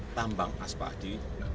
tambang aspal di